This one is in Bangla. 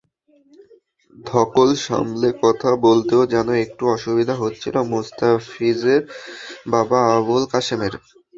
ধকল সামলে কথা বলতেও যেন একটু অসুবিধা হচ্ছিল মুস্তাফিজের বাবা আবুল কাশেমের।